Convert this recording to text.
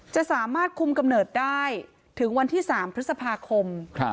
จะสามารถคุมกำเนิดได้ถึงวันที่๓พฤษภาคม